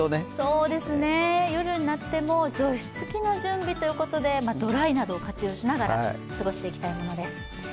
夜になっても、除湿機の準備ということでドライなどを活用しながら過ごしていきたいものです。